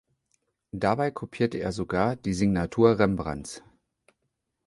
Dabei kopierte er sogar die Signatur Rembrandts.